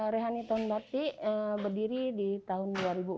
rehani ton batik berdiri di tahun dua ribu empat belas